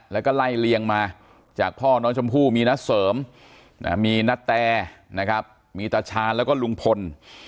แล้วก็ไล่เลียงมาจากพ่อน้องชมพู่มีนาเสริมมีนาแตนะครับมีตาชาญแล้วก็ลุงพล